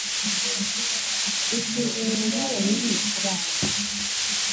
gusuzuma imirire mibi ku bana